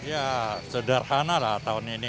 ya sederhana lah tahun ini